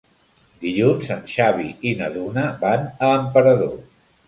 Dilluns en Xavi i na Duna van a Emperador.